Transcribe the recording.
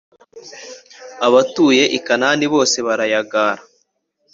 abatuye i kanāni bose barayagāra.